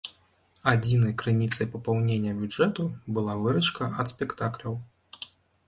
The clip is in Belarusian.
Адзінай крыніцай папаўнення бюджэту была выручка ад спектакляў.